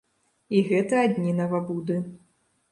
І гэта адны навабуды.